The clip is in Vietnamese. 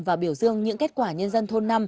và biểu dương những kết quả nhân dân thôn năm